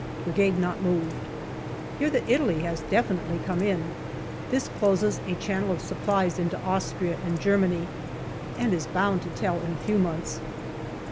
Brigade not moved. Hear that Italy has definitely come in. This closes a channel of supplies into Austria and Germany, and is bound to tell in a few months.